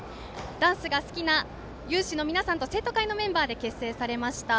ダンスが好きな有志の皆さんと生徒会のメンバーで結成されました。